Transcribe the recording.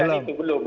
belum belum belum